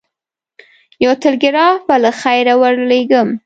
یو ټلګراف به له خیره ورلېږم.